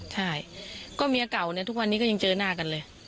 ที่ไหนครับ